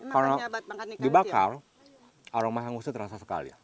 kalau dibakar aroma hangusnya terasa sekali